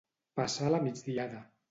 Passar la migdiada.